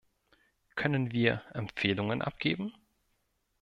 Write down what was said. Können wir Empfehlungen abgeben?